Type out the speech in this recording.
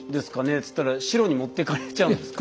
っつったら白に持ってかれちゃうんですか？